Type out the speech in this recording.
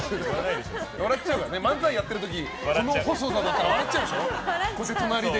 漫才やってる時この細さだったら笑っちゃう。